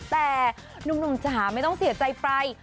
แต่หนุ่มจ๋าไม่ต้องเสียใจไป